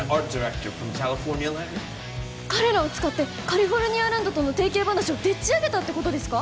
彼らを使ってカリフォルニアランドとの提携話をでっちあげたってことですか？